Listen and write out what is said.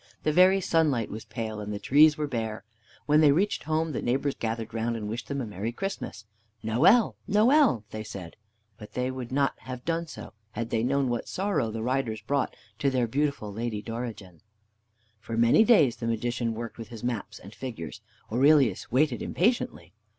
The very sunlight was pale, and the trees were bare. When they reached home the neighbors gathered round and wished them a Merry Christmas. "Noel, Noel," they said, but they would not have done so had they known what sorrow the riders brought to their beautiful lady Dorigen. For many days the Magician worked with his maps and figures. Aurelius waited impatiently.